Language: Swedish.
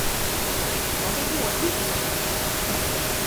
Det var väl rådhuset.